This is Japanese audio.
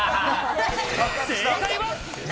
正解は。